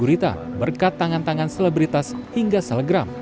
dan kemudian mencurita berkat tangan tangan selebritas hingga salagram